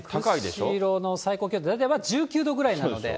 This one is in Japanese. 釧路の最高気温、大体１９度ぐらいなので。